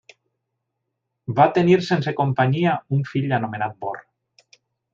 Va tenir sense companyia un fill anomenat Bor.